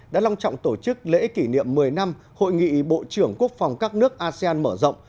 đã long trọng tổ chức lễ kỷ niệm một mươi năm hội nghị bộ trưởng quốc phòng các nước asean mở rộng